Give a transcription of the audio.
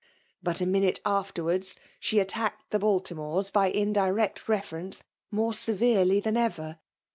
But a minute afterwards, she at* tacked the Baltimores, by indirect reference, more severely than ever.